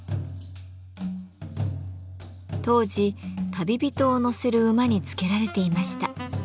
当時旅人を乗せる馬につけられていました。